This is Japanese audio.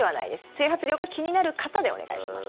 整髪料が気になる方でお願いします。